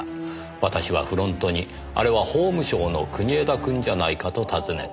私はフロントにあれは法務省の国枝くんじゃないかと尋ねた」